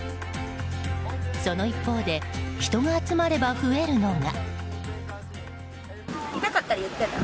その一方で人が集まれば増えるのが。